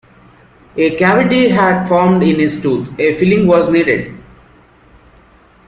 A cavity had formed in his tooth, a filling was needed.